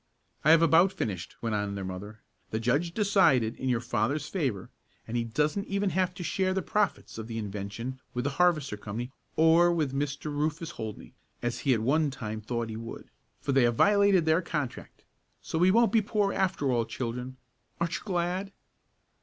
"I have about finished," went on their mother. "The judge decided in your father's favor, and he doesn't even have to share the profits of the invention with the harvester company or with Mr. Rufus Holdney, as he at one time thought he would, for they have violated their contract. So we won't be poor, after all, children. Aren't you glad?"